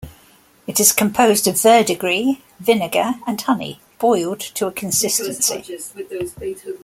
It is composed of verdigris, vinegar, and honey, boiled to a consistency.